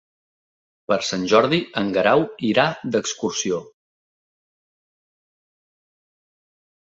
Per Sant Jordi en Guerau irà d'excursió.